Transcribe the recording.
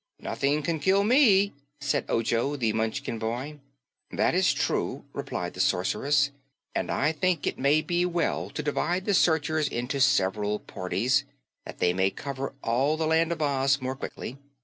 "Nothing can kill me," said Ojo the Munchkin boy. "That is true," replied the Sorceress, "and I think it may be well to divide the searchers into several parties, that they may cover all the land of Oz more quickly.